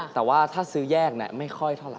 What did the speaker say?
แต่ว่าถ้าซื้อแยกไม่ค่อยเท่าไห